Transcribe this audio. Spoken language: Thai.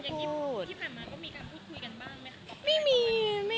ก็บอกว่าเซอร์ไพรส์ไปค่ะ